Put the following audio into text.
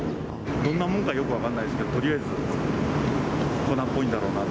どんなもんかよく分かんないですけど、とりあえず粉っぽいんだろうなと。